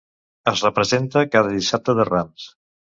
Es representa cada dissabte de Rams.